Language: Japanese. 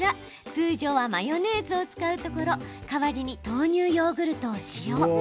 通常はマヨネーズを使うところ代わりに豆乳ヨーグルトを使用。